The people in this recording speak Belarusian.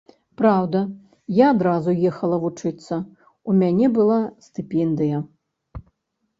Праўда, я адразу ехала вучыцца, у мяне была стыпендыя.